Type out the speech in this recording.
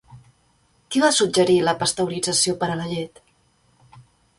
Qui va suggerir la pasteurització per a la llet?